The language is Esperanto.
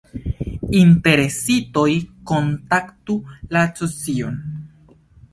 Interesitoj kontaktu la Asocion.